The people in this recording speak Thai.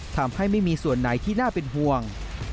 ทำให้ไม่มีส่วนไหนที่น่าเป็นห่วง